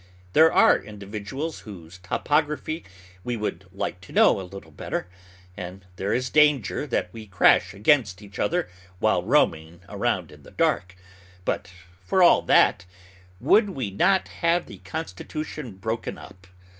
There are individuals whose topography we would like to know a little better, and there is danger that we crash against each other while roaming around in the dark; but for all that, would we not have the constitution broken up.